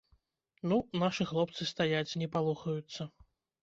Ну, нашы хлопцы стаяць, не палохаюцца.